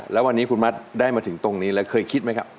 แล้ววันนี้คุณมัดได้มาถึงตรงนี้แล้วเคยคิดไหมครับ